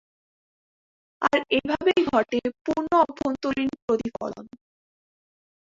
আর এভাবেই ঘটে পূর্ণ অভ্যন্তরীণ প্রতিফলন।